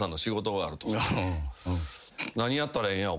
「何やったらええんや？